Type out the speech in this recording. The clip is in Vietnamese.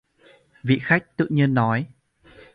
Vị Khách tự nhiên nói